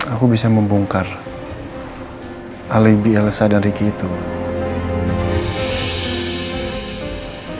aku bisa membongkar alibi elsa dan ricky itu